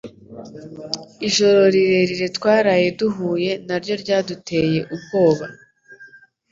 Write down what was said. Ijoro rirerire twaraye duhuye naryo ryaduteye ubwoba